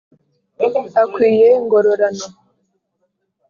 Akwiye ingororano.